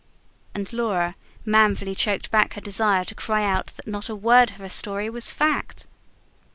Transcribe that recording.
And Laura manfully choked back her desire to cry out that not a word of her story was fact.